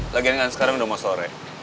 lagian kan sekarang udah mau sore